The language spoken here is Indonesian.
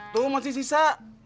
tuh masih sisa